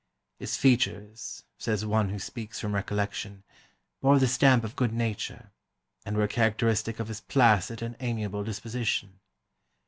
His features, says one who speaks from recollection, bore the stamp of good nature, and were characteristic of his placid and amiable disposition.